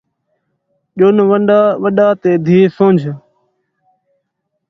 ڄݨ وݙا تے دیہہ سُن٘ڄ